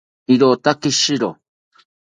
Irotaki shiro